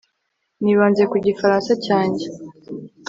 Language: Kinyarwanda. Nibanze ku Gifaransa cyanjye